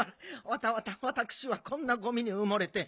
わたわたわたくしはこんなゴミにうもれて